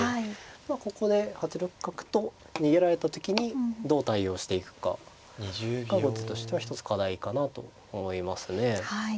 まあここで８六角と逃げられた時にどう対応していくかが後手としては一つ課題かなと思いますね。